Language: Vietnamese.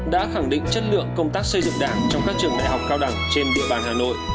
đã khẳng định chất lượng công tác xây dựng đảng trong các trường đại học cao đẳng trên địa bàn hà nội